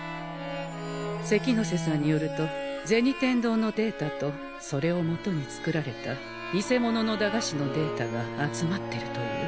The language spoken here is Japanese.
関ノ瀬さんによると銭天堂のデータとそれを基に作られた偽物の駄菓子のデータが集まってるという。